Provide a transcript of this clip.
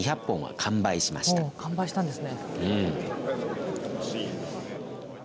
完売したんですね。